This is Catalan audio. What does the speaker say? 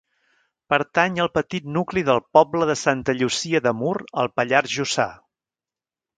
Pertany al petit nucli del poble de Santa Llúcia de Mur al Pallars Jussà.